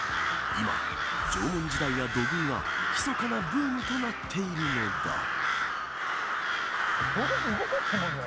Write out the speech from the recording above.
今、縄文時代や土偶がひそかなブームとなっているのだ。